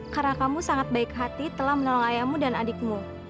karena kamu sangat baik hati telah menolong ayahmu dan adikmu